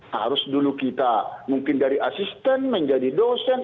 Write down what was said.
harus dulu kita mungkin dari asisten menjadi dosen